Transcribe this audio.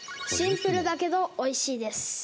シンプルだけどおいしいです。